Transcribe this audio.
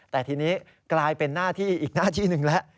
แต่ทีนี้กลายเป็นหน้าที่อีกหน้าที่หนึ่งแล้ว